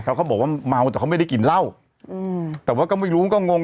เขาบอกว่าเมาแต่เขาไม่ได้กินเหล้าอืมแต่ว่าก็ไม่รู้มันก็งง